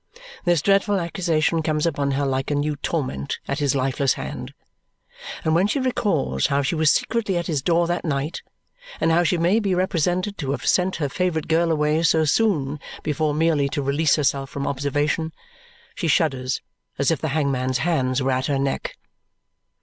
This dreadful accusation comes upon her like a new torment at his lifeless hand. And when she recalls how she was secretly at his door that night, and how she may be represented to have sent her favourite girl away so soon before merely to release herself from observation, she shudders as if the hangman's hands were at her neck.